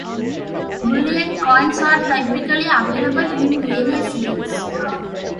Bullion coins are typically available in various weights.